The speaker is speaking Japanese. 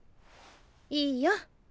いいよ。